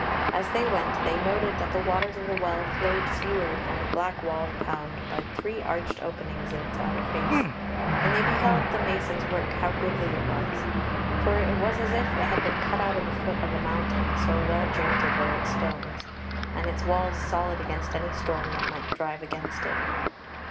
As they went, they noted that the waters of the Well flowed seaward from the black walled pound by three arched openings in its outer face, and they beheld the mason's work, how goodly it was; for it was as if it had been cut out of the foot of a mountain, so well jointed were its stones, and its walls solid against any storm that might drive against it.